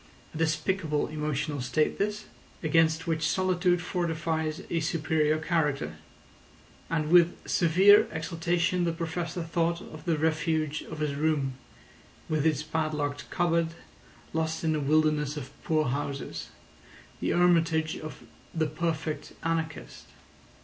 A despicable emotional state this, against which solitude fortifies a superior character; and with severe exultation the Professor thought of the refuge of his room, with its padlocked cupboard, lost in a wilderness of poor houses, the hermitage of the perfect anarchist.